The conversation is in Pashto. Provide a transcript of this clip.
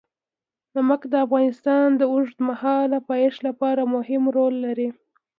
نمک د افغانستان د اوږدمهاله پایښت لپاره مهم رول لري.